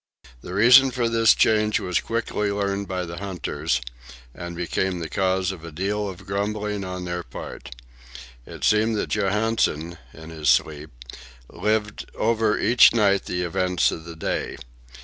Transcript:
The reason for this change was quickly learned by the hunters, and became the cause of a deal of grumbling on their part. It seemed that Johansen, in his sleep, lived over each night the events of the day.